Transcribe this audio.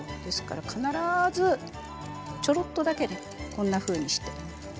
ですから必ずちょろっとだけこんなふうにして。